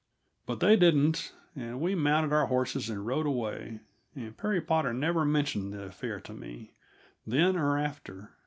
But they didn't, and we mounted our horses and rode away, and Perry Potter never mentioned the affair to me, then or after.